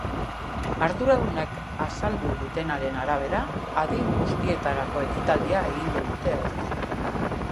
Arduradunek azaldu dutenaren arabera, adin guztietarako ekitaldia egingo dute aurten.